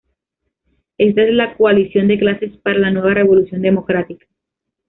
Esta es la coalición de clases para la "Nueva Revolución Democrática".